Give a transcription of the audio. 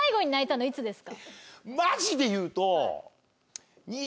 マジで言うと。